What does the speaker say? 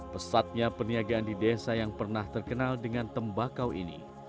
pesatnya peniagaan di desa yang pernah terkenal dengan tembakau ini